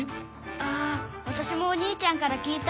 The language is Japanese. あわたしもお兄ちゃんから聞いた。